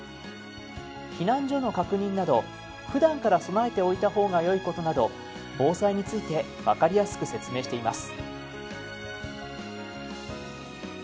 避難所の確認などふだんから備えておいた方がよいことなど防災について分かりやすく説明しています。